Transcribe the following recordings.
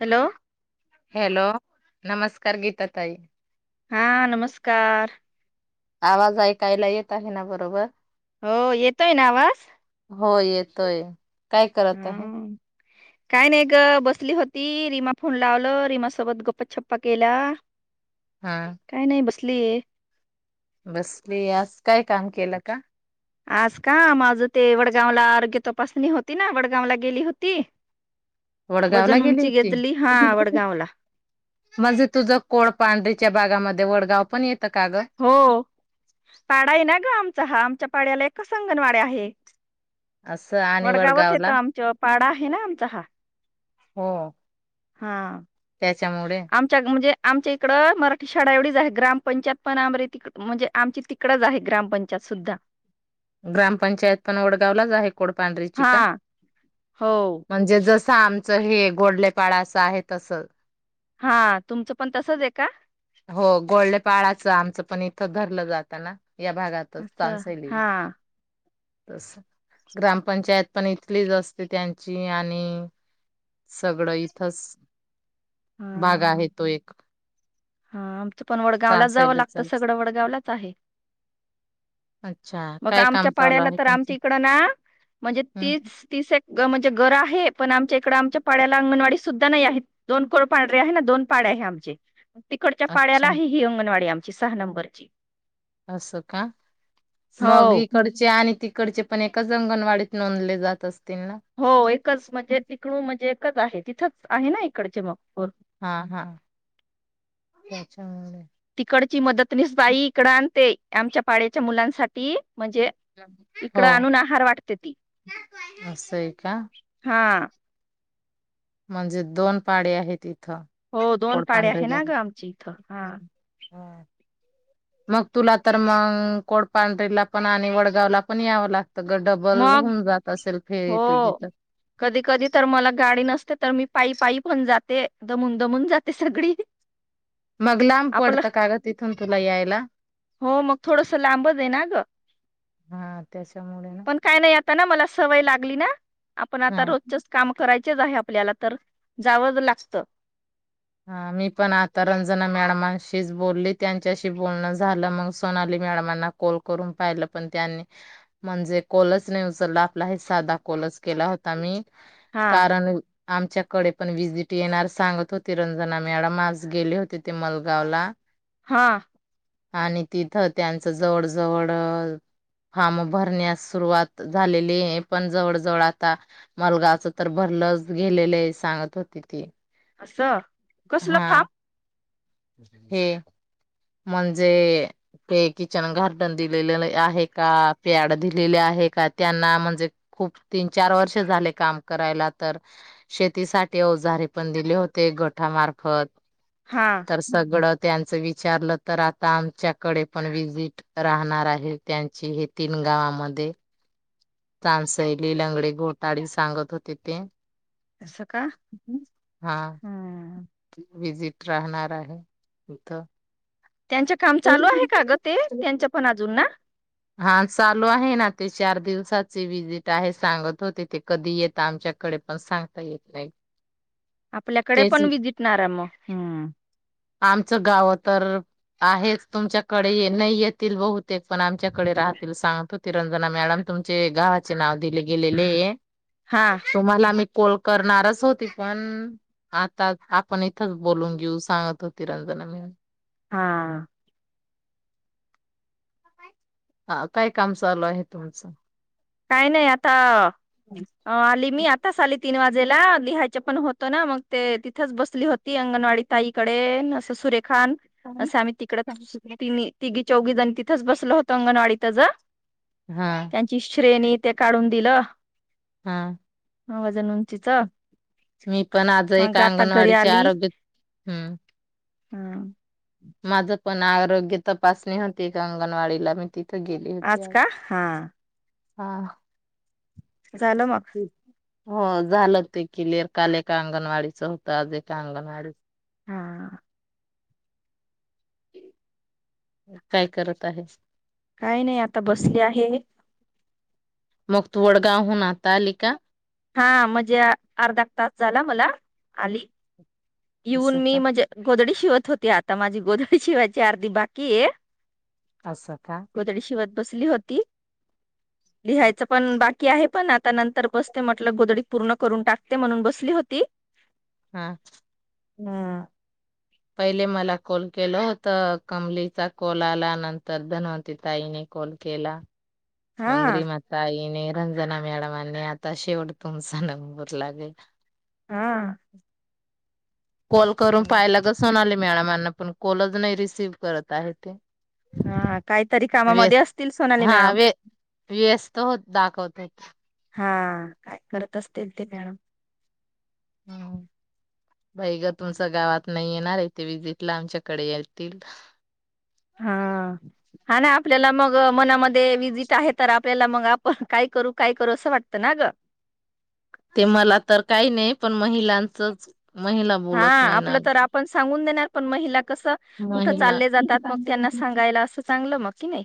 Hello hello. नमस्कार गीता ताई. हा नमस्कार. आवाज ऐकायला येत आहे ना बरोबर. हो येतोय ना आवाज? हो येतोय काय करत हा आहे. काय नाही ग बसली होती. रीमा फोन लावलो. रीमा सोबत गप्पा छप्पा केला. हा काय नाही बसली ये. बसली आज काय काम केलं का. आज का माझं ते वडगावला आरोग्य तपासणी होती ना वडगावला गेली होती. वडगावला वजन गेली उंची होती. घेतली हा वडगावला म्हणजे तुझ कोळपांढरीच्या भागामध्ये वडगाव पण येत. हो पाडा आहे ना ग आमचा. हा आमच्या पाड्याला एक संगणवाड्या आहे. असं आणि वडगावच येतं वडगावला आमच पाडा आहे ना आमचा हा. हम. हा. त्याच्यामुळे. आमच्या म्हणजे आमच्या इकडं मराठी शाळा एवढीच आहेत. ग्रामपंचायत. पण आमच्या तिकड म्हणजे. आमच्या तिकडच आहे ग्रामपंचायत सुद्धा. ग्रामपंचायत पण वडगाव ला आहे कोडपांढरीची हा का. हो म्हणजे जस आमचं हे गोडलेपाड असं आहे तस. हा तुमचं पण तसच आहे का? हो गोल्डे पाळाच आमचं पण इथं धरलं जातं ना. या भागातच असं चांसयली. हा तस ग्रामपंचायत पण इथलीच असते. त्यांची आणि. सगळं इथच भाग हा आहे. तो एक. हा आमचं पण वडगावला जावं चासयलीचा लागत. सगळं वडगावलाच आहे. अच्छा मग काय काम आमच्या चालू पाड्याला आहे तर तुमचं आमच्या इकड ना म्हणजे हम् तीस तीस एक. ग म्हणजे गरं आहे, पण आमच्या इकडे आमच्या पाड्याला अंगणवाडी सु नाई आहेत दोन कोड पांढरे आहे, ना दोन पाडे आहे, आमचे तिकडच्या अच्छा पाड्याला आहे, ही अंगणवाडी आम ती सहा नंबरची. असं का हो मग इकडचे आणि. तिकडचे पण एकाच अंगणवाडीत नोंदले जात असती हो एकच म्हणजे तिकडू म्हणजे एकच आहे, तिथंच आहे, ना इकडचे मग पोर. हा हा [unintelligible] इकडची मदत निस बाई इकड आणते आमच्या पाड्याच्या मुलांसाठी. म्हणजे हो इकड आणून आहार वाटत्याती असं आहे का हा. म्हणजे दोन पाडे आहे ती. हो दोन पाडे आहे, ना ग आमची इथं हा. हम्म. मग तुला तर मग कोडपांढरीला पण आणि वडगावला पण यावं ला [unintelligible] डबल मग होऊन जात असेल फेरी तुझी तर कदि, कदी तर मला गाडी नसते तर मी पाई, पाई पण जाते दमून, दमून जाते सगळी. मग लांब आपलं पडतं काग तिथून तुला यायला. हो मग थोडस लांबजाय ना ग. हा त्याच्यामुळे. ना पण काय नाही आता ना मला सवय लागली ना आपण आता हा रोजचच काम कराय चेच आहे, आपल्याला तर जावज लागत. हा मी पण आता रंजना मॅडमशीच बोलली त्यांच्याशी बोलणं झालं मंग सोनाली. मॅडमांना कोल करून पाहील पण त्यांनी मंजे कोलच नाही उचलला आपला हाय सादा कोल. नच केला होता, मी हा कारण आमच्याकडे पण व्हिजिट येणार सांगत हो तिरंजना मॅडम आज गेले होते, ते मलगाव ला. हा. आणि तिथं त्यांचं जवड जवड. फाम भरण्यास सुरुवात झालेलीय पण जवळ जवळ आता मालगावच तर भ लस गेलेलेय सांगत होती ती. अस कसलं हा फाम. हे म्हणजे. ते किचन गार्डन दिलेले आहे, का पॅड दिलेले आहे, का त्यांना म्हणजे. खूप तीन चार वर्ष झाले काम करायला तर शेतीसाठी अवजारे पण दिले होते. गठामार्फत हा तर सगळं त्यांच वि विचारलं तर आता आमच्याकडे पण विजिट राहणार आहे, त्यांचे हे तीन गावाम आम्हाला. ते. तांसैली लंगडे घोटाडी सांगत होते ते. असस का हम्म. व्हीझीट राहणार आहे इथं. त्याच्य काम चालू आहे, का गं ते त्याच्य पण अजून ना. हा चालू आहे ना ते चार दिवसाचे व्हिजिट आहे, सांगत होते, ते कधी येता आमच्याकडे पण सांगता येत नाही. आपल्याकडे तेच पण विजिटणारा म हम्म. आमचं गाव तर. आहेच तुमच्याकडे नाही येतील बहुतेक पण आमच्याकडे राहतील सांगतो रंजना मॅडम. तुमचे गावाचे नाव दिले गेलेले येय. हा तुम्हाला मी कोल करणारच होती पण. आता आपण इथच बोलून घेऊ सांगत होती रंजना मॅडम. हा. आ काय काम चालू आहे तुमचं. काही नाही आता आली मी आताच आली तीन वाजेला लिहायच पण होतं ना मग ते तिथंच बसली होती अंगणवाडी ताईकडे अस सुरेख खान असं आम्ही तिकड ति तिघी चौघी जण तिथंच बसल होत अंगणवाडीत ज हा श्रेणी ते काढून दिलं हा ह वजन उंचीच मी पण आज एक मग आता घरी अंगणवाडीचे आरोग्य हम् हम माझं पण आरोग्य तपासणी होती अंगणवाडीला मी तिथं गेली होती आज का हा हा झालं मग हो झालं ते क्लिअर काल एका अंगणवाडीच होतं आज एका अंगणवाडी हा काय करत आहे काय नाही आता बसली आहे. मग तु वडगाव हुन आता आली का? हा म्हणजे अर्धा तास झाला मला आली येऊन असं मी का म्हजे गोदडी शिवत होती. होते आता माझी गोदडी शिवायची अर्धी बाकी आहे. असं का गोधडी शिवत बसली होती, लिहायच पण बाकी आहे पण आता नंतर बसु तेच म्हटलं, गोदडी पूर्ण करून टाकते, म्हणून बसली होती. हम हम पहिले मला कॉल केल होत कमलीचा कॉल आला नंतर धनवते ताईने ल केला हा मंगरी मसाईने रंजना मॅडमांनी आता शेवट तुमचा नंबर दिला मग लागला हा कॉल करून हम्म. पाहायला गं सोनाली मॅडमांना पण कॉलच नही रिसीव्ह करत आहे ते हा काहीतरी कामामध्ये व्यस्त असतील सोनाली हा मॅडम व्य व्यस्त होत दाखवत होत हा काय करत असतील ते मॅडम हम बाईंगं तुमच गावात नाही येणार आहे तेे विजिट ला आमच्याकडे येतील. हा हा ना आपल्याला मग मनामध्ये विजिट आहे तर आपल्याला मग आपण काय करू काय करू असं वाटतं ना ग ते मला तर काही नाही पण महिलांचच महिला हा बोलत नाही ना. आपलं तर आपण सांगून देणार पण महिला कस कुठं महिला चालले जातात मग त्यांना सांगायला असं चांगलं मग कि नाही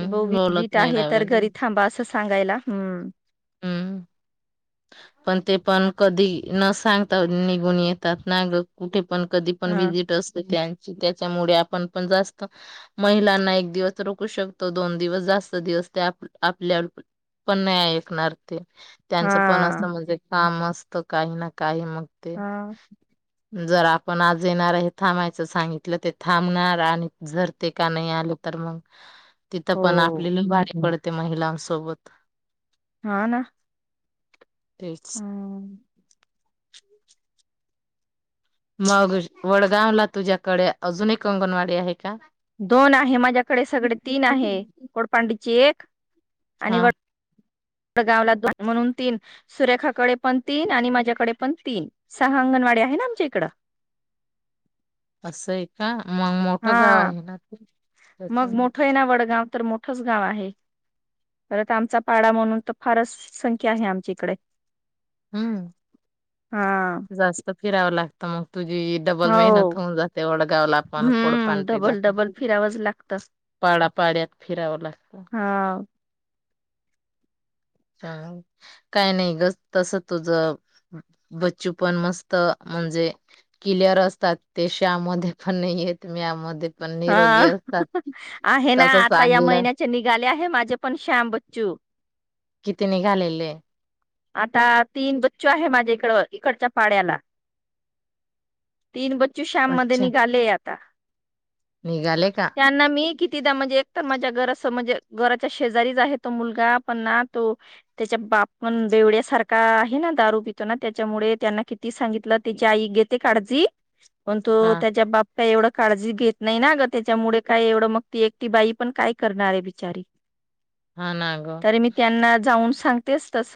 ते ब बोलत विजिट नाही आहे ना तर घरी थांबा असं सांगायला हम्म हम्म पण ते पण कधी न सांगता निघून येतात ना कुठे पण कधी पण हा वजिट अस त्याच्यामुळे आपण पण जास्त महिलांना एक दिवस रोकू शकतो दोन दिवस जास्त दिवस‌ नाही आपल्या पण नाही ऐकणार ते त्यांचं पण असं हा म्हणजे काम असतं काही ना काही मग ते हा जर आपण आज येणार हे थांबायचं सांगितलं ते थांबणार आणि जर ते का नाही आल तर मग तिथं हो पण आपलेला भारी पडते महिलांसोबत हा ना तेच हम्म. मग ज वडगाव ला तुझ्याकडे अजून एक अंगणवाडी आहे का? दोन आहे माझ्याकडे सगडे तीन आहे, कोडपांडीची एक हा. डगावला दोन म्हणून तीन सुरेखाकडे पण तीन आणि माझ्याकडे पण तीन सहा अंगणवाडी आहे. ना आमच्या इकडं असंय का? मग मोठं हा गाव आहे ना ते? त्याच मग मोठं आहे ना वडगाव तर मोठंच गाव आहे परत आमचा पाडा म्हणून तर फारच संख्या आहे, आमच्या इकडे. हम्म हा जास्त फिरावं लागतं मग. तुझी डबल हो मेहनत होऊन जाते वडगावला पण हम्म कोडपांडरीला. डबल डबल फिरावंच लागतं पाडापाड्यात फिरावं लागत. हा च काय नाही ग तस तुझ बच्चू पण मस्त म्हणजे कीलेर असतात ते श्यामध्ये पण नाहीयेत म्यामध्ये पण निरोगी असतात हा आहे ना तसं आता या चांगलं महिन्याचे निघाले आहे माझे पण श्यांब चुप. किती निघालेले? आता तीन बच्चू आहे माझ्याइकडं इकडच्या पाड्याला. तीन बच्चू श्याम मध्ये अच्छा निघालेय आता. निघाले का? तिदा म्हणजे एक तर माझ्या घरास म्हणजे घराच्या शेजारीच आहे तो मुलगा, पण ना तो त्याच्या बाप मण बेवड्यासारखा आहे ना दारू पितो ना त्याच्यामुळे, त्यांना किती सांगितलं तेची आई घेते काडजी [inaudible] पण तु त्याच्या बाप काही एवढं काळजी घेत नाही ना, ग त्याच्यामुळे काय एवढं मग ती एकटी बाई पण काय करणार आहे बिचारी हा ना ग तरी मी त्यांना जाऊन सांगतेच तस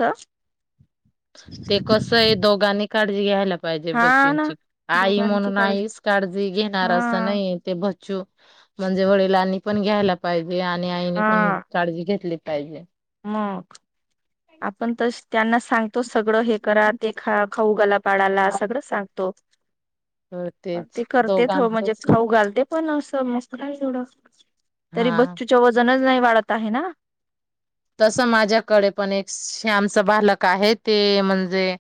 ते कस आहे दोघांनी काडजी घ्यायला पाहिजे हा ना बच्चूंची आई दोघांची म्हणून काळजी आईच काडजी घेणार, असं हा नाही ते बच चु म्हणजे वडिलांनी पण घ्यायला पाहिजे आणि आईने पण हा काळजी घेतली पाहिजे. मग आपण तस त्यांना स सांगतो सगळं हे करा ते खा खाऊ घाला बाळाला सगळं सांगतो तर तेच ते करते थ म्हणजे दोघांचच खाऊ घालते पण असं मस्त तरी हा. बच्चूच वजनच नाही वाढत आहे ना? तसं माझ्याकडे पण एक श्यामच बालक आहे ते म्हणजे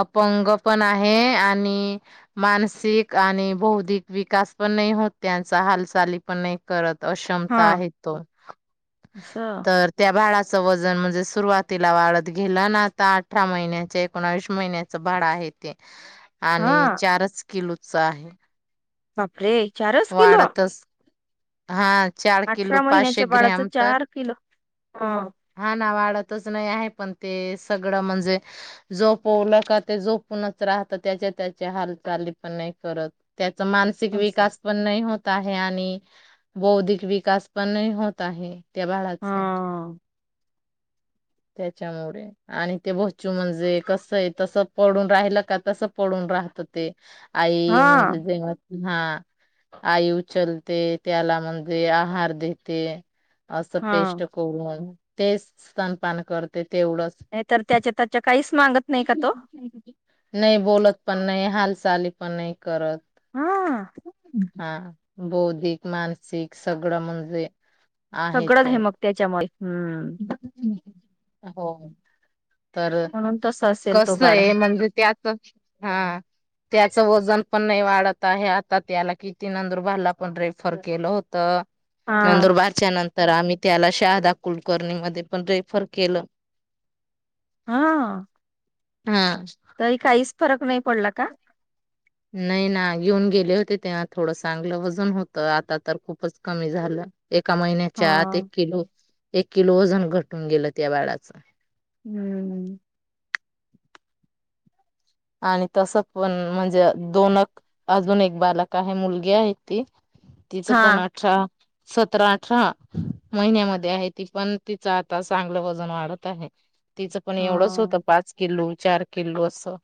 अपंग पण आहे आणि मानसिक आणि बौधिक विकास पण नाही हो त्यांचा हालचाली पण नाही करत अशमता हा आहे तो असं तर त्या बाळाचं वजन म्हणजे सुरुवातीला वाढत गेलं ना, आता अठरा महिन्याचे कोेणा एकोणावीस महिन्याच बा कड आहे ते हा आणि चारच किलोच आहे वापरे चारस किलो? वाढतच हा चार किलो अठरा पाचशे महिन्याच्या बाळाचं ग्रॅम तर चार किलो हा हा ना वाड [unintelligible] नाही आहे पण ते सगड म्हणजे झोपवल का ते झोपनूच राहतं त्या हेच्या तेच्या हालचाली पण नाही करत त्याचा मानसिक असं विकास पण नाही होत आहे आणि बौद्धिक विकास पण नाही होत आहे त्या हा बाळाचं त्याच्यामुळे आणि ते बच्चू म्हणजे कसये तस पडून राहिल का तस पडून राहत ते आई हा म्हणजे जेव्हा हा आयु चलते त्याला म्हणजे आहार देते. असं हा पेष्ट करून ते स्तनपान करते तेवढंच नाही तर त्याच्या त्याच्या काहीच मांगत नाही का तो? नाही बोलत पण नाही हालचाली पण नाही करत हा. हा बौद्धिक मानसिक सगळं म्हणजे सगळंच आहे मग त्याच्यामुळे हम्म हो. तर म्हणून तस असेल तो कसं बाळ आहे म्हणजे ते आता हा त्याचं वजन पण नाही वाढत आहे आता त्याला किती नंदुरबारला पण रेफर केलं होत. हा नंदुरबारच्या नंतर आम्ही त्याला शाहा दाखल कुलकर्णी मध्ये पण रेफर केलं हा. हा तरी काहीच फरक नाही पडला का? नाही ना येऊन गेले होते तेव्हा थोडं चांगलं वजन होत आता तर खूपच कमी झालं. एका हा महिन्याच्या आत एक किलो एक किलो वजन घटून गेलं त्या बाळाचं. हम्म. आणि तसं पण म्हणजे दोन अजून एक बालक आहे मुलगी आहे ती तिचं हा पण अठरा सतरा अठरा महिन्यामध्ये आहे ती पण तिचं आता चांगलं वजन वाढत आहे. तिचं पण एवढंच हा होतं पाच किलो चार किललो असं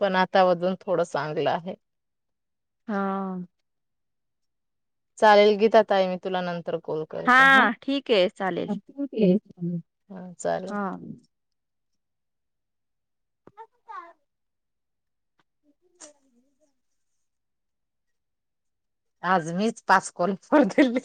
पण आता अजून थोडं चांगलं आहे. हा. चालेल गीता ताई मी तुला नंतर कॉल करते हा ठीक आहे चालेल हा चालल. हा. का आज मीच पाच करून पर दिली